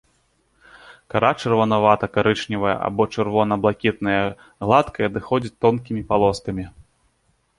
Кара чырванавата-карычневая або чырвона-блакітная, гладкая, адыходзіць тонкімі палоскамі.